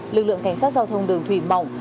lực lượng cảnh sát giao thông đường thủy mỏng